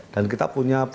dan kita punya profesor